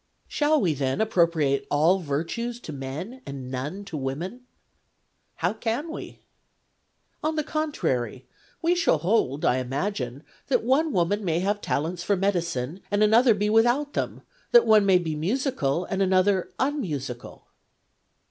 ' Shall we, then, appropriate all virtues to men and none to women ?'' How can w§ ?' 172 FEMINISM IN GREEK LITERATURE ' On the contrary, we shall hold, I imagine, that one woman may have talents for medicine, and another be without them ; and that one may be musical and another unmusical